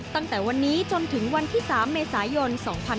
ตั้งแต่วันนี้จนถึงวันที่๓เมษายน๒๕๕๙